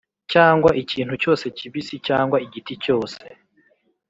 cyangwa ikintu cyose kibisi cyangwa igiti cyose,